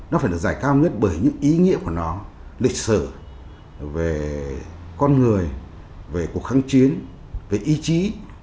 nó phải được giải cao nhất bởi những ý nghĩa của nó lịch sử về con người về cuộc kháng chiến về ý chí